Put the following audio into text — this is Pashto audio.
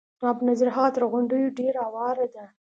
زما په نظر هغه تر غونډیو ډېره هواره ده.